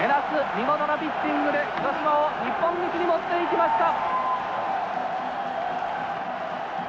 見事なピッチングで広島を日本一に持っていきました！